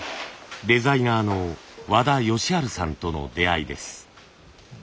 デザイナーの和田義治さんとの出会いです。